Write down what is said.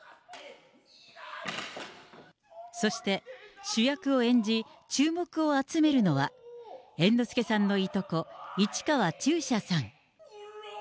そして主役を演じ、注目を集めるのは、猿之助さんのいとこ、市川中車さん。